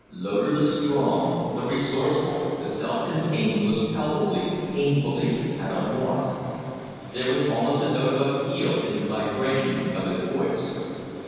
Loder, the strong, the resourceful, the self contained, was palpably, painfully at a loss. There was almost a note of appeal in the vibration of his voice.